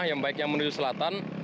yang baiknya menuju selatan